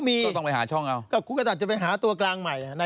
มีโอกาสร้อนไหม